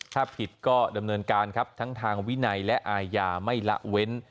ถ้าผิดก็ดำเนินการครับทั้งทางวินัยและอาญาไม่ละเว้น